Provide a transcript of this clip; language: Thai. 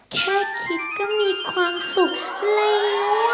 แค่คิดก็มีความสุขแล้ว